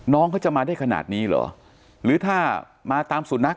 น้องเขาจะมาได้ขนาดนี้เหรอหรือถ้ามาตามสุนัข